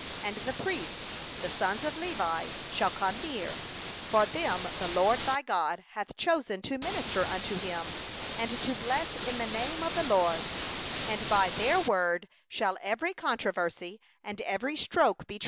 5And the priests the sons of Levi shall come near—for them the LORD thy God hath chosen to minister unto Him, and to bless in the name of the LORD; and according to their word shall every controversy and every stroke be.